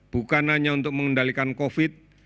bukan hanya untuk mengendalikan covid sembilan belas